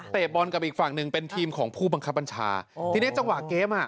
บอลกับอีกฝั่งหนึ่งเป็นทีมของผู้บังคับบัญชาทีนี้จังหวะเกมอ่ะ